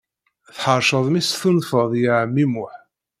Tḥerceḍ mi s-tunfeḍ i ɛemmi Muḥ